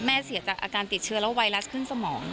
เสียจากอาการติดเชื้อแล้วไวรัสขึ้นสมอง